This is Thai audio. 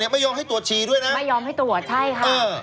ไม่ยอมให้ตรวจฉี่ด้วยนะไม่ยอมให้ตรวจใช่ค่ะ